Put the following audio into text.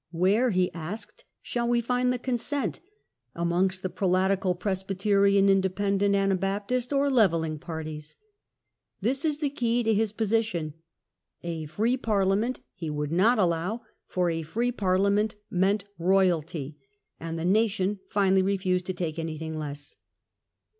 " Where," he asked, " shall we find the consent? Amongst the Prelatical, Presbyterian, Independent, Ana baptist, or Levelling parties?" This is the key to his position. A free Parliament he would not allow, for a free Parliament meant Royalty, and the nation finally refused to take anything less.